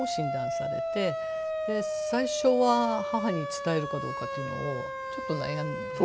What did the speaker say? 最初は母に伝えるかどうかっていうのをちょっと悩んで。